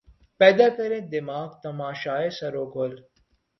پیدا کریں دماغ تماشائے سَرو و گل